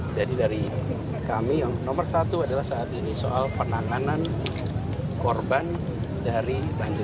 jadi dari kami yang nomor satu adalah saat ini soal penanganan korban dari banjir